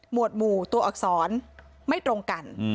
วดหมู่ตัวอักษรไม่ตรงกัน